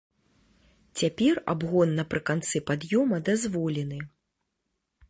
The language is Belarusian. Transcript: Цяпер абгон напрыканцы пад'ёма дазволены.